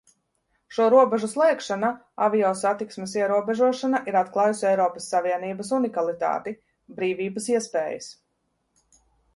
Šo robežu slēgšana, aviosatiksmes ierobežošana ir atklājusi Eiropas Savienības unikalitāti, brīvības iespējas.